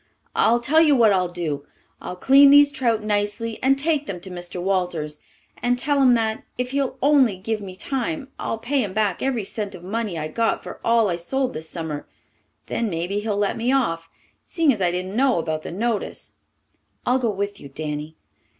I'll tell you what I'll do. I'll clean these trout nicely and take them to Mr. Walters, and tell him that, if he'll only give me time, I'll pay him back every cent of money I got for all I sold this summer. Then maybe he'll let me off, seeing as I didn't know about the notice." "I'll go with you, Danny."